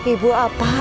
ibu apa adanya